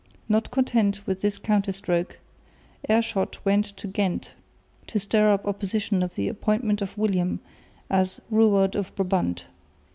Not content with this counter stroke, Aerschot went to Ghent to stir up opposition to the appointment of William as Ruward of Brabant.